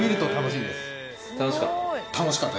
楽しかった？